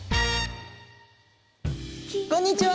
こんにちは。